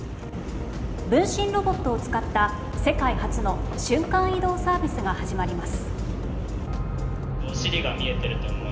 分身ロボットを使った世界初の瞬間移動サービスが始まります。